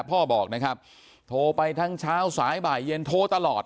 พ่อบอกนะครับโทรไปทั้งเช้าสายบ่ายเย็นโทรตลอด